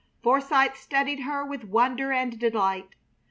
Forsythe studied her with wonder and delight.